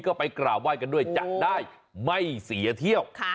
ก็ไปกราบไห้กันด้วยจะได้ไม่เสียเที่ยว